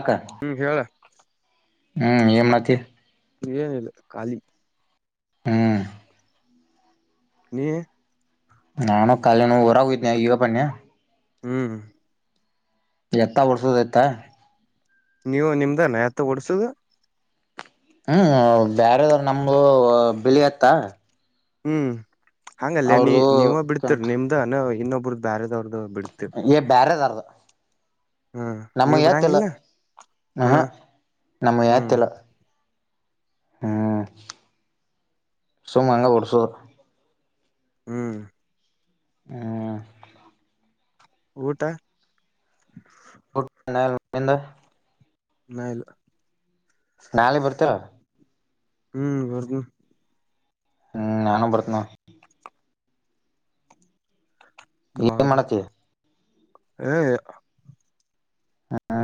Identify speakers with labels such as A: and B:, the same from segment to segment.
A: ಅಕ್ಕ
B: ಹ್ಮ್ ಹೇಳ
A: ಹ್ಞ ಏನು ಮಾಡತ್ತೀ
B: ಏನಿಲ್ಲ ಖಾಲಿ
A: ಹಾ
B: ನೀ
A: ನಾನು ಕಾಲಿನ ಊರಗ ಹೋಗಿದ್ನ ಇಗ ಬಧನ್ಯ
B: ಹ್ಮ್
A: ಎತ್ತ ವರ್ಸದಯತ
B: ನೀವು ನಿಮ್ದಾನ್ ಎತ್ತ ಓಡ್ಸುದು
A: ಹ್ಮ್ ಬ್ಯಾರದ್ರು ನಮ್ದು ಬಿಳಿ ಎತ್ತ
B: ಹ್ಮ್ ಹಂಗಲ್ಲ ನೀ
A: ಅವ್ರದು
B: ನೀವ ಬಿಡ್ತರಿ ನಿಮ್ದ ಅನ ಇನ್ನೊಬ್ರ್ದ ಬ್ಯಾರದವ್ರ್ದು ಬಿಡ್ತರಿ
A: ಎ ಬೇರೆದರದ
B: ಹ್ಮ್ ನೀವ್
A: ನಮ್ಮವ ಎತ್ತಲ್ಲ
B: ಬಿಡಂಗಿಲ್ಲ
A: ಹ
B: ಹ್ಮ್
A: ನಮ್ಮವ
B: ಹ್ಮ್
A: ಎತ್ತಲ್ಲ. ಹ್ಮ್ ಸುಮಂಗ ಒಡಸುದು
B: ಹಾ
A: ಹ್ಮ
B: ಊಟ
A: ಊಟ ಇನ್ನ ಇಲ್ಲ ನಿಮ್ದು
B: ಇನ್ನ ಇಲ್ಲ
A: ನಾಳೆ ಬರ್ತೀರ
B: ಹ್ಮ್ ಬರ್ದ
A: ಹ್ಮ್ ನಾನು ಬರ್ತನ
B: ಬಾ
A: ಏನ್
B: ಬಾ
A: ಮಾಡತಿ
B: ಏ
A: ಹಾ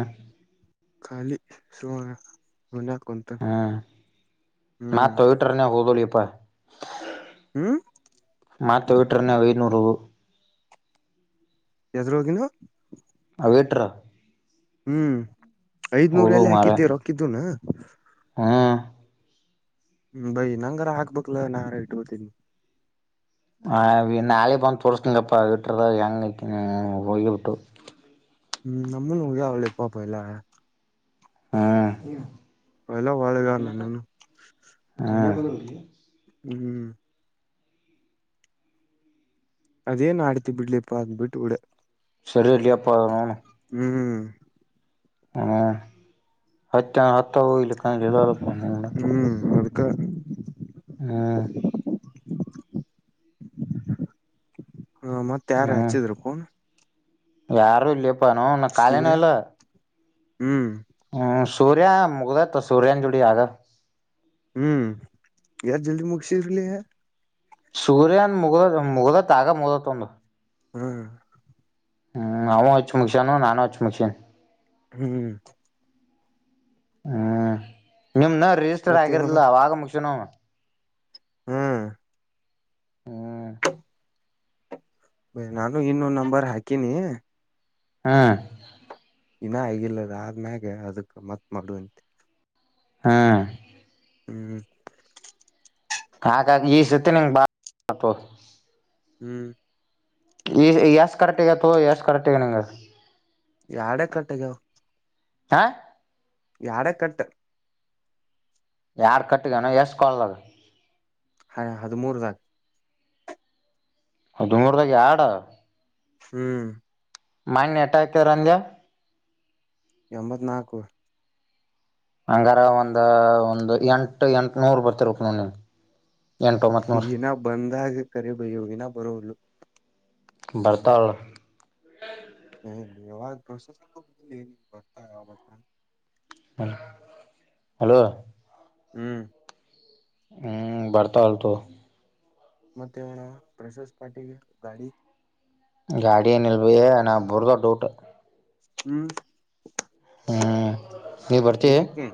B: ಖಾಲಿ ಸುಮ್ನೆ ಮನೆಗ ಕುಂತು
A: ಹ್ಮ್ ನಾ ಟೊಯಟ್ರನೆ ಹೋಗದಲೇಪ
B: ಹ್ಮ್
A: ಮತ್ತ ಟೊಯಟ್ರಾನ್ಯಾಗ್ ಐನೂರು
B: ಎದ್ರ ಹೋಗಿನು
A: ಅವೇಟ್ರ
B: ಹ್ಮ್ ಐದ್ನೂರ
A: ಹೌದು
B: ಎಲಿ ಹಾಕಿದ್ದಿ ರೊಕ್ಕಿದ್ವನ.
A: ಹಾ
B: ಹ್ಮ ಬೈ ನಂಗರ ಹಾಕ್ಬೇಕಕ್ಲ ನಾ ರ ಇಟ್ಕೊಂತಿನಿ
A: ಹ ನಾಳೆ ಬಂದು ತೋರಿಸ್ತಿನಪ್ಪಾ ಬಿಟ್ರದ ಹೆಂಗ ಹೋಗಿಬಟ್ಟು
B: ಹ್ಮ್ ನಮ್ಮೂ ಉಊಗ ಅವಲಪ್ಪಪಲ್ಲ
A: ಹಾ
B: ಎಲ್ಲ ಒಳ್ಳೆಗ ನನ್ನು
A: ಹಾ
B: ಹ್ಮ್ ಅದೇನ್ ಆಡ್ತಿ ಬಿಡ್ಲೆಪ್ಪ ಅದು ಬಿಟ್ಬಿಡು
A: ಸರಿ ಇಲೆಯಪ್ಪ ಹ್ಮ್
B: ಹ್ಮ್
A: ಹ್ಮ ಹತ್ತ ಹತ್ತ ಹೊಗಲಿಕ್ಕಾದ್ರ
B: ಹ್ಮ್ ಅದಕ್ಕ
A: ಹ್
B: [unintelligible] ಹಾ ಮತ್ತೆ
A: ಹ್ಮ ಯಾರು ಇಲ್ಲ ನೋ ಕಾಲೇನ
B: ಸೂರೆ ಹ್ಮ್
A: ಹ್ಮ್ ಸೂರ್ಯ ಮುಗದತ್ತ ಸೂರ್ಯನ ಜುಡಿ ಆಗ
B: ಹ್ಮ್ ಯಾರು ಜಲ್ದಿ ಮುಗಸರ್ಲಿ
A: ಸೂರ್ಯನ್ ಮುಗಲದ ಮುಗಲತ್ ಆಗ ಮುಗತ್ ಒಂದು
B: ಹ್ಮ್
A: ಹ್ಮ್ ಅವವು ಹೆಚ್ಚು ಮುಗಸಾನು ನಾನು ಹಚ್ಚು ಮುಗಸಿ
B: ಹ್ಮ್
A: ಹ್ಮ್ ನಿಮ್ನ ರಿಜಿಸ್ಟರ್
B: ಮತ್ತೇವಣ
A: ಆಗಿರ್ಲಿಲ್ಲ ಅವಗ ಮುಗಸನು
B: ಹಾ
A: ಹ್ಮ್
B: ನಾನು ಇನ್ನೊ ನಂಬರ್ ಹಾಕೀನಿ
A: ಹಾ
B: ಇನ್ನ ಹಗಿಲ್ಲದ ಆದ್ಮ್ಯಾಗೆ ಅದಕ್ ಮತ್ ಮಾಡುವಂತೆ
A: ಹಾ
B: ಹ್ಮ್
A: ಹಾಗಾಗಿ ಈ ಸತಿ ನಿಂಗ ಬಾ
B: ಹ್ಮ್
A: ಈ ಎಷ್ಟು ಕರೆಕ್ಟ್ಗತ್ತು ಎಷ್ಟ ಕರೆಕ್ಟ್ಗ ನಿಂಗೆ
B: ಯಾರ ಕಟ್ಟಿದ್ದು
A: ಹ
B: ಯಾಡೆ ಕಟ್ಟು
A: ಯಾರ್ ಕಟ್ಟಗನ ಎಷ್ಟಸ್ಕಳದ
B: ಹ ಹದಿಮೂರುದಕ
A: ದುಂಗೂರ್ದಾಗೆ ಏಡ್ ಆವ
B: ಹ್ಮ್
A: ಮೈಂಡ್ ಅಟ್ಯಾಕು ರವಂಗೆ
B: ಎಂಬತ್ನಾಲ್ಕು
A: ಹಂಗಾರ ಒಂದ ಒಂದ್ ಎಂಟ ಎಂಟನೂರ್ ಬರ್ತಿರಬೇಕ್ ನೋಡ್ ನಿನಗೆ
B: ಹ್ಮ್ ಈನ ಬಂದಾಗ ಕರಿಬಯ್ಯ ಇನ ಬರೋಲು
A: ಬರ್ತಾವ್ಳ
B: ಏಲ್ಲಿ ಯಾವಾಗ ಪ್ರೊಸೆಸಿಂಗು ಬರ್ಲಿಲ್ಲ ಏನು ಇಲ್ಲ ಬರ್ತಾ ಯಾವಗ ಬರ್ತ
A: ಹಲೋ
B: ಹ್ಮ್
A: ಹ್ಮ್ ಬರ್ತಾ ಹೊಳ್ತು
B: ಮತ್ತೆನಣ ಪ್ರಸಸ್ ಪಾರ್ಟಿಗೆ ಗಾಡಿ
A: ಗಾಡಿ ಏನಿಲ್ಲ ಬಯ ನಾ ಬರ್ದ ಡೌಟ್
B: ಹ್ಮ್
A: ಹ್ಮ್ ನೀ ಬರ್ತಿ
B: ಹಿಕೆ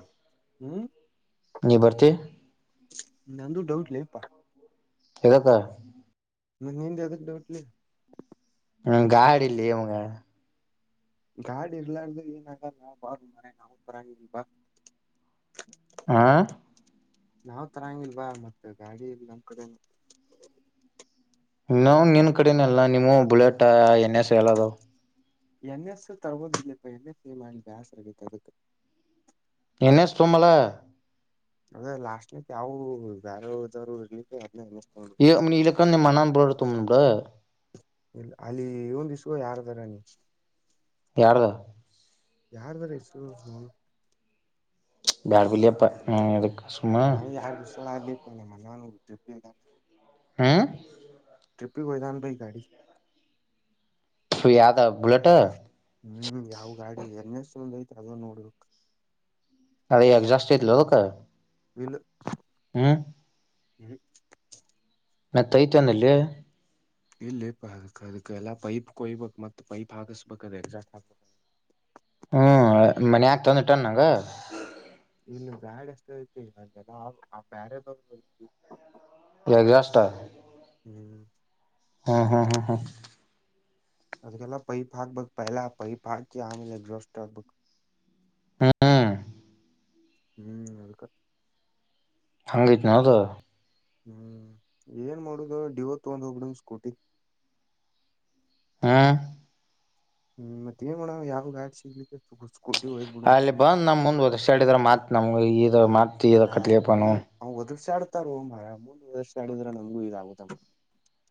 B: ಹ್ಮ
A: ನಿಬರ್ತಿ
B: ನಂದೂ ಡೌಟ್ಲೆ ಪ್ಪ
A: ಇದ್ಯಕ
B: ಮನೆ ಇಂದ ಡೌಟ್ಲಿ
A: ಹ್ಮ ಗಾಡಿ ಇಲ್ಲಿ ಇವ್ಂಗ
B: ಗಾಡ್ ಇರ್ಲ್ಲಾರ್ದು ಏನಾಗ ನಾ ಬಾರ ಮರ ನವು ತರಾಂಗಪಾ
A: ಆ
B: ನಾವ್ ತರಂಗಲ್ವಾ ಮತ್ತೆ ಗಾಡಿ ನಮ್ ಕಡೆ
A: ನಾವು ನಿನ್ ಕಡೆನಲ್ಲ ನೀವು ಬುಲೆಟ್ ಏನ್ ಎಸ್ ಹೇಳೋದ
B: ಎನ್ ಎಸ್ ತರಬಹುದು ಇಲ್ಲ ಇ ಎನ್ ಎಸ್ ಮಾಡ ಬ್ಯಾಸ ರಗ ಅದಕ್ಕೆ
A: ಏನ್ ಎಸ್ [unintelligible]
B: ಅದೇ ಲಾಸ್ಟ್ನಕ್ ಯಾವವು ಬೇರದ್ರು ಇರ್ಲಿಕ್ಕೆ ಅದನ್ ಏನ್ ಎಸ್
A: ಇ ಇಲಕ್ಕಾಂದಮ್ಮ ಮಣಾ ಬರಡ್ತ ಬಿಡ
B: ಇಲ್ಲ ಅಲ್ಲಿ ಇವಂದು ಯಾರದಾರ ನೀ
A: ಯಾರದ
B: ಯಾರ್ದರ ಹೆಸರು ಸೋನು
A: ಬಾಡ್ಬಲ್ಲಿಯಪ್ಪ ಇದು
B: ನಾವವು ಎರಡು ದಿವಸ ಆಗ್ಲಿ ನಮ್ಮ ನಾನು
A: ಹಾ
B: ಪಿ ಹೊದಾನ ಗಾಡಿ
A: ಸಯಾದ ಬುಲೆಟ್
B: ಹ್ಮ್ ಯಾವ್ ಗಾಡಿ ಏನ್ ಎಸ್ ಒಂದು ಐತಿ ಅದ ನೋಡ್ಬೇಕಕ್
A: ಅದೆ ಎಗ್ಜಾಸ್ಟ್ ಐತ್ಲೆ ಅವುಕು
B: ಇಳ್
A: ಹ್ಮ್
B: ಹ್ಮ್
A: ಮತ್ಯೈತಾನಾಲೀ
B: ಇಲ್ಲಿ ಪರ್ ಅರ್ ಎಲ್ಲ ಪೈಪ್ ಕೊಯ್ಬೇಕಕ್ ಮತ್ತತ್ ಪೈಪ್ ಹಾಸ್ಬೇಕ ಎಕ್ಸಾಸ್ಟ್ ಆಬಬೇಕ
A: ಹ್ಮ್ ಮನ್ ಯಾಕೆ ತಂದ ಇಟ್ಟ ನಂಗ
B: ಇಲ್ಲಿ ಬ್ಯಾಡ್ ಎಷ್ಟ ಐತಿ ನ ಜನ ಆ ಬ್ಯಾರತಿ [unintelligible]
A: ಎಗಜಸ್ಟ
B: ಹ್ಮ್
A: ಹಾ ಹಾ ಹಾ ಹಾ
B: ಅದಕ್ಕೆಲ್ಲ ಪೈಪ್ ಹಾಕ್ಬೇಕಕ್ ಪಹಲಾ ಪೈಪ್ ಹಾಕಿ ಆಮೇಲೆ ಎಕ್ಸಾಸ್ಟ್ ಆಗ್ಬಬೇಕು
A: ಹ್ಮ್
B: ಹ್ಮ್ ಅದಕ್ಕ
A: ಹಂಗೈತ್ ನವ್ದು
B: ಹ್ಮ್ ಏನ್ ಮಾಡುದು ಡಿವ ತಗೊಂಡ್ ಹೋಗಬಿಡಮ್ ಸ್ಕೂಟಿ
A: ಹಾ
B: ಹ್ಮ್ ಮತ್ತೇನ್ ಮಾಡಣ ಯಾವ ಗಾಡ್ ಸಿಗ್ಲಿಕ್ ಸ್ಕೂಟಿ ಓಯಿದ್ದ್ ಬಿಡಣ
A: ಅಲ್ಲಿ
B: ಹ್ಮ
A: ಬಂದ್ ನಮ್ ಮುಂದ ಹೋದಷ್ಟು ಹೇಳಿದ್ರ ಮಾತ್ ನಮ್ಗೆ ಇದು ಮಾತ್ ಇದ
B: ಹಾ
A: ಕತ್ಲಿಯಪ್ಪ ನಾವು
B: ಮುಂದ್ ಅವ್ ಒದರ್ಸೆ ಆಡ್ತಾರೋಮಾರ ಮುಂದ್ ವದರ್ಸೆ ಆಡಿದ್ರೆ ನಮಗೂ ಇದಾಗುತ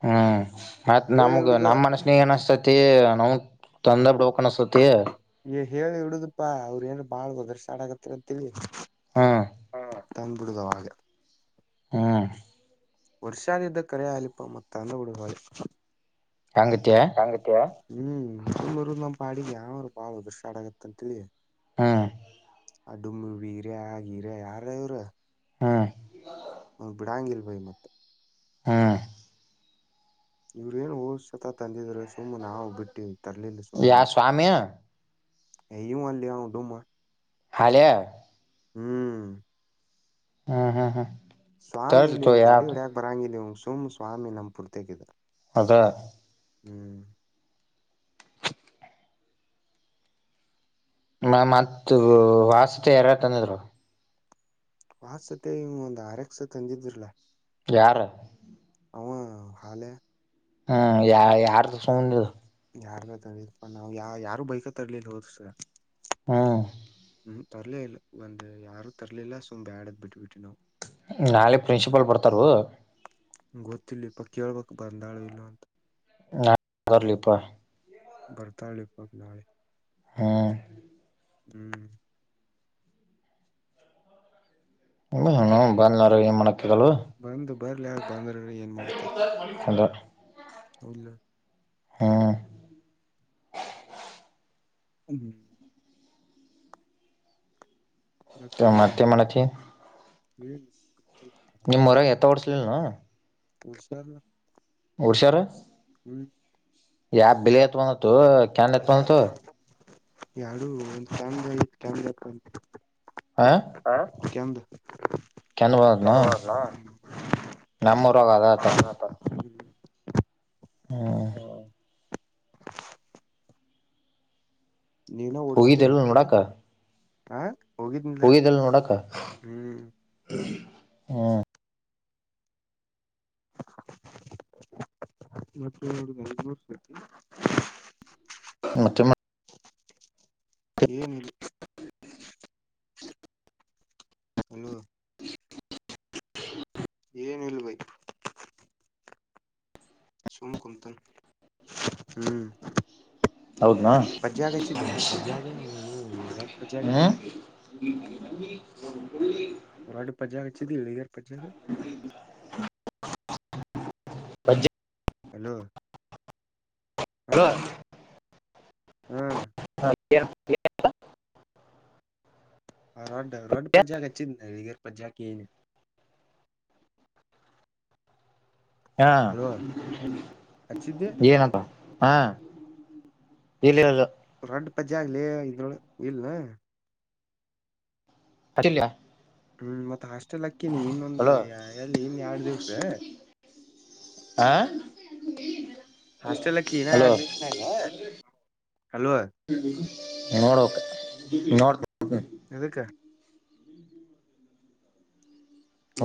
A: ಹ್ಮ್ ಮತ್ ನಮ್ಗ
B: ಹಿಡುದ
A: ನಮ್ ಮನ್ಸನ್ಯಾಗ ಏನ್ಸ್ತತಿ ನಮ ತಂದ ಬಿಡ್ ಪಳಸತ್ತೀ
B: ಏ ಹೇಳಿ ಹುಡುಗ್ರ್ ತಾವ ಅವ್ರ ಏನ್ ಬಾಳ್ ಒದರ್ಸಾಡ ಆಡಕತ್ತ ಅಂತ್ಹೇಳಿ
A: ಹ್ಮ್
B: ಹಾ ತಂದ್ಬಿಡದ ವಾಗೆ
A: ಹ್ಮ್
B: ವರ್ಷದಿದ್ದ ಕರೆ ಆಗ್ಲಿಪ ಮತ್ತ ಅಂದ ಹುಡುಳ
A: ಹಂಗುತ್ತ
B: [inaudible] ಹ್ಮ್ ನ್ರು ನಮ್ ಪಾಡಿಗೆ ಯಾರ್ ಬಾಳ ಉದೃಶ ಆಡಗತಂತ್ತ್ಹೇಳಿ
A: ಹ್ಮ
B: ಅಡುಮ್ಮಿ ಬೀರ್ಯ ಗೀರ್ಯ ಯಾರ್ ಇವ್ರು
A: ಹಾ
B: ಅವ್ನ್ ಬಿಡಾಂಗ ಇಲ್ ಭೈ ಮತ್ತೆ
A: ಹಾ
B: ಇವ್ರೇನ್ ಓದ್ಸತ ತಂದಿದರೆ ಸುಮ್ಮ್ ನಾವ್ ಬಿಟ್ಟಿವಿ ತರ್ಲಿಲ್ರಿ
A: ಯಾ
B: ಸುಮ್ಮುಗ
A: ಸ್ವಾಮಿ
B: ಏ ಇವ್ವನ್ಲೆ ಇವ್ ಡುಮ್ಮ
A: ಹಾಳ್ಯಾ
B: ಹ್ಮ್
A: ಹಾ ಹಾ ಹ
B: ಸ್ವಾಮಿ ಇಲಿನ್ ಗಾಡಿ ಹೊಡ್ಯಾಕ್ ಬರಂಗಿಲ್ಲ್ ಇವ್ನ್ಗ್ ಸುಮ್ ಸ್ವಾಮಿ ನಮ್ ಪೂರ್ತ್ಯಾಗಿದ್ದ
A: ಅದ
B: ಹ್ಮ್
A: ಮಾ ಮತ್ತು ವಾಸ್ತೆ ಯಾರ ತಂದಿದ್ರು
B: ವಾಸ್ಸತೆ ಇಮ್ ಒಂದಾರೆಕ್ಸ್ ತಂದಿದ್ದುರ್ಲೆ
A: ಯಾರ
B: ಅಂವ ಹಾಲೆ
A: ಹ ಯಾ ಯಾರ್ದು ಸೌಂಡಿದು
B: ಯಾರ್ಬತ್ತಾರ್ ಇಪ್ಪಾ ನಾವ್ ಯಾ ಯಾರು ಬೈಕತಾರ್ಲಿಲ್ವೋ ದೋಸ್ಸಾ
A: ಹಾ
B: ಉಹು ತರ್ಲೇ ಇಲ್ಲ ಒಂದ್ ಯಾರು ತರ್ಲಿಲ್ಲ ಸುಮ್ ಬ್ಯಾಡ ಅಂತ್ ಬಿಟ್ಬಿಟ್ವಿ ನಾವು
A: ನಾಳೆ ಪ್ರಿನ್ಸಿಪಲ್ ಬರ್ತಾರು
B: ಗೊತ್ತಿಲ್ಲಿಪ ಕೇಳ್ಬೇಕು ಬಂದಾಳೋ ಇಲ್ಲೋ ಅಂತ
A: [unintelligible]
B: ಬರ್ತಾಳಿಪ್ಪತ್ ನಾಳಿ
A: ಹ್ಮ್
B: ಹ್ಮ್
A: ಹ್ಮ್ ನ್ ಬಂದ್ಲಾರವ್ ಏನ್ಮಾಡಕ್ಕಾಗಲ್
B: ಬಂದ್ ಬರ್ಲ್ಯಾರ್ ಬಂದ್ರರ ಏನ್ ಮಾಡ್ತಾರ
A: ಅಲೋ
B: ತೌಳ್ಯಾ
A: ಹ್ಮ
B: [unintelligible]
A: ತ್ಯೋ ಮತ್ತ ಏ ಮಾಡಾತೀ
B: ಹೇಳೇನಿ [unintelligible]
A: ನಿಮ್ಮ ಊರಾಗ ಎತ್ತ ಓಡ್ಸಲಿಲ್ ನೂ
B: ಉಲ್ ಸ್ಯರ್ಲಾ
A: ಓಡ್ಸ್ಯಾರ್
B: [unintelligible]
A: ಯಾ ಬೆಲೆ ತೊಂದತೋ ಅ
B: ಕ್ಯಾನ್ ಎಷ್ಟ ಬಂದಿತ್ತ ಯಾಡು ಒಂದ್ ಕ್ಯಾನ [unintelligible]
A: ಹ್ಮಾ
B: ಆಂ ಕೆಂದ್
A: ಬಂದತ್ನು
B: [unintelligible]
A: ನಮ್ಮೂರಾಗ ಅದತ
B: ಅನ್ನಾತಾರ್
A: ಹ್ಮ
B: ನೀನ ಓಡುಸ್ತಿಯೇನ್
A: ಹೋಗಿದ್ದಲ್
B: ನೀನ ಆಂ
A: ಹೋಗಿದಿಲ್ ನೋಡಾಕ್ [unintelligible] ಹ್ಮ [inaudible]
B: [unintelligible] ಇವತ್ ಒಂದ್ ಹುಡುಗ ಹದ್ಮುರು ಸರ್ತಿ [unintelligible]
A: ಹ್ಮ ತೇಮ [unintelligible]
B: [unintelligible] ಏನೀಲ್ ಹಲೋ ಏನೂ ಇಲ್ ಬೇ ಸುಮ್ ಕಂತನೀ ಹ್ಮ
A: ಹೌದನಾ
B: [unintelligible] ಪಜ್ಜ್ಯಾಗ ಹಚ್ಚಿದ್ದೇನ್ ಪಜ್ಜ್ಯಾಗ ಅಂವ್ ಇಂವ್ಗ್ ರೊಡ್ಡ ಪಜ್ಜ್ಯಾಗ.
A: [unintelligible] ತನ್ವಿ [unintelligible]
B: ರೊಡ್ಡ ಪಜ್ಜ್ಯಾಗ ಹಚ್ಚಿದ್ದಿ ಇಳಗೇರ್ ಪಜ್ಜ್ಯಾಗ.
A: [unintelligible] ಪಜ್ಜ್ಯ
B: ಹಲೋ ಆಂ ಹ್ಮ
A: [unintelligible]
B: ಆ ರೊಡ್ಡ್ ರೊಡ್ಡ್ ಪಜ್ಜ್ಯಾಗ ಹಚ್ಚಿದ್ನಿ ಇಳಿಗೇರ್ ಪಜ್ಜ್ಯಾಗ ಕೇಳೀನಿ.
A: ಟ್ಟಾ
B: ಅಲ್ವ
A: [unintelligible]
B: ಹಚ್ಚಿದ್ದೆ
A: ಏನಪಾ ಹಾಂ ಇಲ್ಲಿರುದ್
B: ರೊಡ್ಡ್ ಪಜ್ಜ್ಯಾಗಲೇ ಇದ್ರೋಳ್ಗ್ ಇಲ್ನ.
A: ಅತಿಲ್ಯಾ
B: ಹ್ಮ ಮತ್ ಹಾಸ್ಟೆಲ್ ಆಕ್ಕಿನಿ ಇನ್ನೊಂದ್
A: ಹಲೋ
B: ಎ ಎ ಎಲ್ಲಿ ಇನ್ನ ಯಾಡ್ ದಿವಸ
A: ಆಂ
B: ಹಾಸ್ಟೆಲ್ ಅಕ್ಕಿ ಇನ್ನ ಯಾಡ್ ದಿವಸನ್ಯಾಗ ಹಲೋ
A: ನೋಡಬೋಕ್ ನೋಡ್ತೆ
B: ಎದಕ್ಕ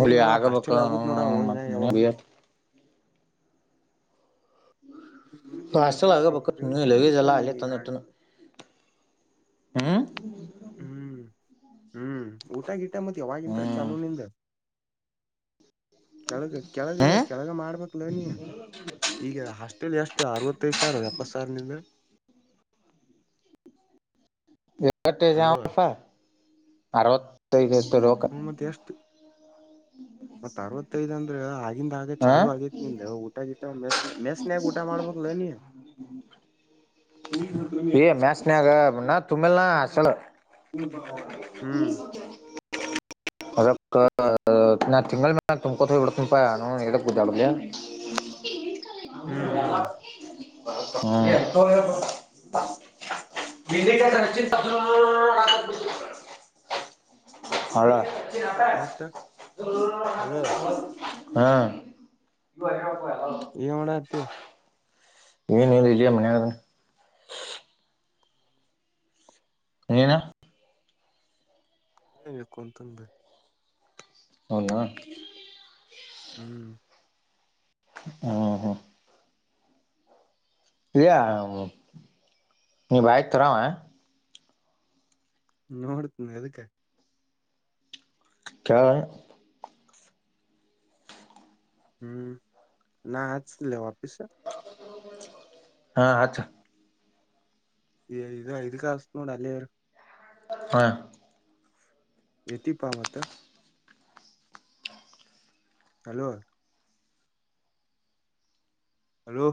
B: ಏನ್
A: ನೋಡ್
B: ನೋಡಾಂವ್
A: ಆಗಬೇಕು
B: ಹಾಸ್ಟೆಲ್ ಆಗೂದ್ ನೋಡಾಂವೋ ಇನಾ
A: ಮತ್
B: ಯಾವಾಮೊ
A: ಮನ
B: ಹುಂ ಮತ್ತ್ ನಿಮ್ ಬೆ
A: ಹಾಸ್ಟೆಲ್
B: ಮನ್ಯಾಗ
A: ಆಗಬೇಕು ನೀ ಲಗೇಜ್
B: ಹೇಳ್ಕೊಬೇಕಪಾ
A: ಎಲ್ಲ
B: ನೀ
A: ಅಲ್ಲೇ
B: ಆ
A: ತಂದಿಟ್ಟನು ಹ್ಮ್
B: ಹ್ಮ ಹ್ಮ ಊಟಾ ಗೀಟಾ ಮತ್ ಯಾವಾಗಿಂತ
A: ಹ್ಮ್
B: ಚಾಲು ನಿಂದ ಕೆಳಗ ಕೆಳಗ
A: ಹ್ಮ್
B: ಕೆಳಗಾ ಮಾಡ್ಬೇಕ ಅಲಾ ನೀ. ಈಗ ಹಾಸ್ಟೆಲ್ ಎಷ್ಟು ಅರವತ್ತೈದು ಸಾವಿರ ಎಪ್ಪತ್ ಸಾವಿರ ನಿಂದು.
A: [unintelligible]
B: ಅಲ್ವ
A: ಅರವತ್ತು ಐದು ಐತಿ ನೋಡು
B: ಮತ್ತ್ ಎಷ್ಟು ಮತ್ ಅರವತ್ತು ಐದು ಅಂದ್ರ ಇಂಗ್ ಹಾಗೆ
A: ಹ
B: ಚಾಲು ಆಗಿತ್ ನಿಂದ ಊಟ ಗಿಟ ಮೆಸ್ಸ್ ಮೆಸ್ನ್ಯಾಗ ಊಟ ಮಾಡಬೇಕಿಲ್ಲ ನೀ.
A: ಎ ಮ್ಯಾಸ್ ನ್ಯಾಗ ಇನ್ನ ತುಂಬಿಲ್ಲ ನಾ ಆಸಲ.
B: ಹ್ಮ್
A: [unintelligible] ನಾ ತಿಂಗಳ ಮ್ಯಾಲ ತುಂಬಕೋತ ಹೋಗಿಬುಡ್ತೀನಿ ಪಾ ನೌನ ಯದುಕ ಗುದ್ದ್ಯಾಡದು.
B: ಹ್ಮ್ ಹ್ಮ್
A: ಹ [unintelligible] ಹ್ಮ ಗಲ್ಲಿ ಕ ರಚ [unintelligible] ಹಳ
B: ಮತ್ತ ಅಲ್ವ
A: ಹಾ
B: ಏನ್ ಮಾಡಅತ್ತಿ.
A: ಏನಿಲ್ಲ ಇಲ್ಲೇ ಮನ್ಯಾಗ. ಹೇನಾ
B: ಇಲ್ಲಿ ಕುಂತೀನ್ರೀ.
A: ಹೌದ
B: ಹ್ಮ್
A: ಹ್ಮ್ ಹಾ ಇಯಾ ನೀ ಬೈಕ್ ತರಾವ.
B: ನೋಡ್ತನಿ ಎದುಕ.
A: ಕೇಳ
B: ಹ್ಮ್ ನಾ ಹಚ್ತಿನಲೇ ವಾಫೀಸ.
A: ಹಾ ಹಚ್ಚು.
B: ಯು ಇದು ಇದುಕೆ ಹಸ್ತೀನಿ ನೋಡ ಅಲ್ಲೆ ಇರು.
A: ಹ
B: ಎತಿ ಪಾಮತ್ ಹಲೋ ಹಲೋ